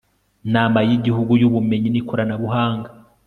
Nama y Igihugu y Ubumenyi n Ikoranabuhanga